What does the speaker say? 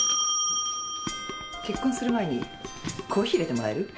結婚する前にコーヒー入れてもらえる？